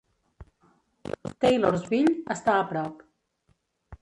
Taylorsville està a prop.